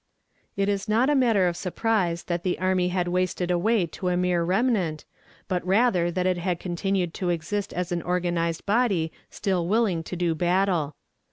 It is not a matter of surprise that the army had wasted away to a mere remnant, but rather that it had continued to exist as an organized body still willing to do battle.